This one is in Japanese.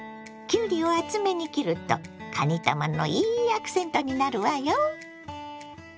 きゅうりを厚めに切るとかにたまのいいアクセントになるわよ。